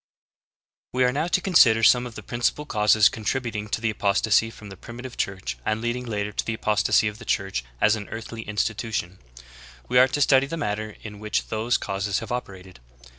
1. We are now to consider some of the principal causes contributing to apostasy from the Primitive Church and leading later to the apostasy of the Church as an earthly in stitution ; and we are to study the manner in which those causes have operated.